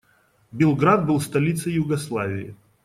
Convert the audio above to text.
Белград был столицей Югославии.